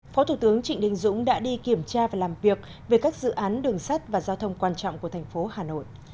phó thủ tướng trịnh đình dũng đã đi kiểm tra và làm việc về các dự án đường sắt và giao thông quan trọng của thành phố hà nội